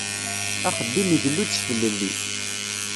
Axeddim igellu-d s tlelli.